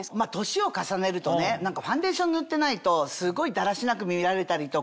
年を重ねるとねファンデーション塗ってないとすごいだらしなく見られたりとか。